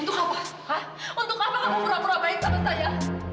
untuk apa untuk apa kamu burang burang baik sama saya